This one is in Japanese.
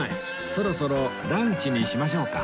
そろそろランチにしましょうか